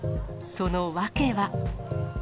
その訳は。